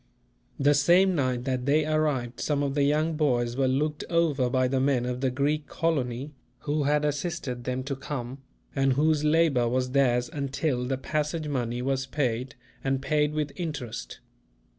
The same night that they arrived, some of the young boys were looked over by the men of the Greek colony, who had assisted them to come, and whose labour was theirs until the passage money was paid, and paid with interest.